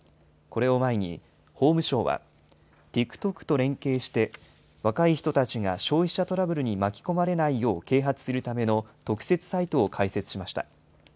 これを前に、法務省はＴｉｋＴｏｋと連携して、若い人たちが消費者トラブルに巻き込まれないよう、啓発するための特設サイトを開設しました。